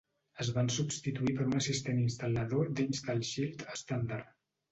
Es van substituir per un assistent instal·lador d'InstallShield estàndard.